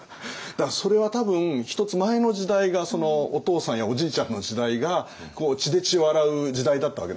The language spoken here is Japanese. それは多分１つ前の時代がお父さんやおじいちゃんの時代が血で血を洗う時代だったわけですよね。